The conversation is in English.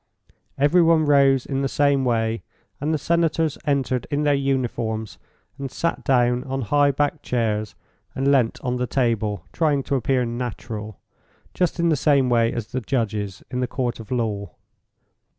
Every one rose in the same way, and the senators entered in their uniforms and sat down on highbacked chairs and leant on the table, trying to appear natural, just in the same way as the judges in the Court of Law.